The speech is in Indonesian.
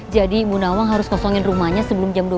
jadi bu nawang harus kosongin rumahnya sebelum jam dua belas siang